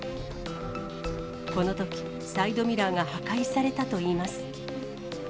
このとき、サイドミラーが破壊されたといいます。